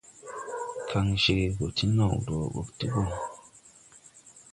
Kagn cɛʼ gɔ ti naw dɔɔ ɓɔg ti bɔŋ.